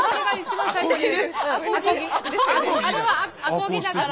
あれは「あこぎ」だから！